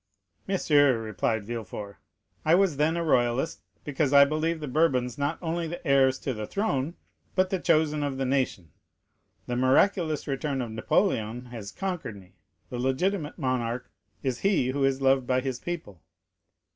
"Monsieur," returned Villefort, "I was then a royalist, because I believed the Bourbons not only the heirs to the throne, but the chosen of the nation. The miraculous return of Napoleon has conquered me, the legitimate monarch is he who is loved by his people."